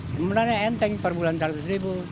sebenarnya enteng per bulan seratus ribu